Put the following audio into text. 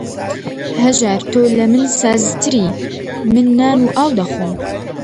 هەژار تۆ لە من سازتری، من نان و ئاو دەخۆم